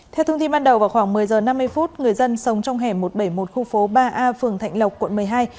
theo thông tin ban đầu vào khoảng một mươi h năm mươi người dân sống trong hẻm một trăm bảy mươi một khu phố ba a phường thạnh lộc quận một mươi hai